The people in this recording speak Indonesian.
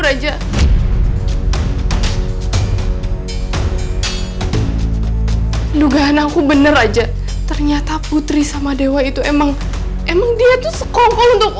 raja dugaan aku bener aja ternyata putri sama dewa itu emang emang dia tuh sekongkol untuk